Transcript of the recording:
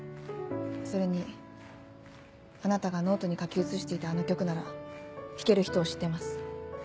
それにあなたがノートに書き写していたあの曲なら弾ける人を知ってます。